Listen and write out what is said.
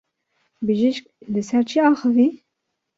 Bijîşk li ser çi axivî?